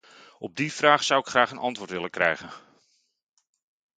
Op die vraag zou ik graag een antwoord willen krijgen.